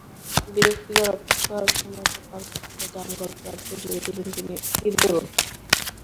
বিরক্তিকর অপেক্ষার সময়টা পার করতে গান গল্পের আড্ডা জুড়ে দিলেন তিন তরুণ।